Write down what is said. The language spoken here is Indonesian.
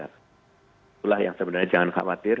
itulah yang sebenarnya jangan khawatir